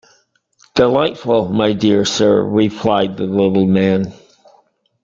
‘Delightful, my dear Sir,’ replied the little man.